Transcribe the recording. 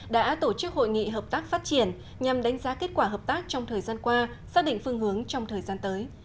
đã tổ chức hội nghị hợp tác phát triển nhằm đánh giá kết quả hợp tác trong thời gian qua xác định phương hướng trong thời gian tới